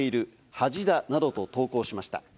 恥だなどと投稿しました。